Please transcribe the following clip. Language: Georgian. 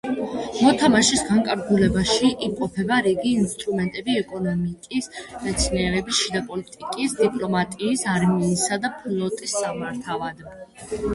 მოთამაშის განკარგულებაში იმყოფება რიგი ინსტრუმენტები ეკონომიკის, მეცნიერების, შიდა პოლიტიკის, დიპლომატიის, არმიისა და ფლოტის სამართავად.